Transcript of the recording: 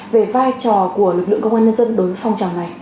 về vai trò của lực lượng công an nhân dân đối với phong trào này